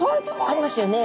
ありますよね。